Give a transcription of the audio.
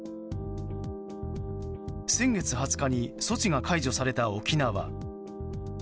先月２０日に措置が解除された沖縄。